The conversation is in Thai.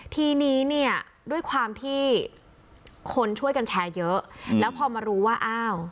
ทีนี้เนี่ยด้วยความที่คนช่วยกันแชร์เยอะแล้วพอมารู้ว่าอ้าว